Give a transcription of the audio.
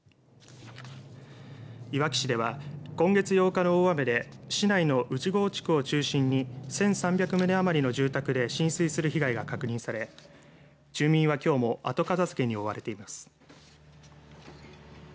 いわき市では今月８日の大雨で市内の内郷地区を中心に１３００棟余りの住宅で浸水する被害が確認され住民はきょうも後片づけに追われています。